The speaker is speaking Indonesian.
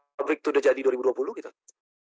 pabrik itu sudah jadi dua ribu dua puluh gitu